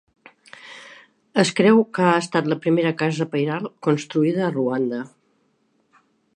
Es creu que ha estat la primera casa pairal construïda a Ruanda.